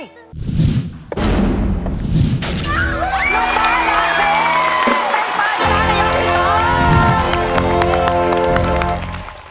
รอบปลายหลักสีเป็นปลายชนะในยกที่สอง